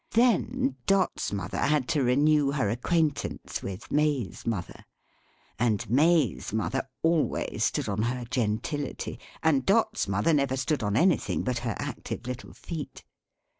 Then, Dot's mother had to renew her acquaintance with May's mother; and May's mother always stood on her gentility; and Dot's mother never stood on anything but her active little feet.